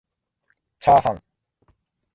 ちゃーはん